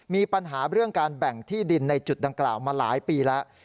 มีปัญหาเรื่องการแบ่งที่ดินในจุดดังกล่าวมาหลายปีแล้ว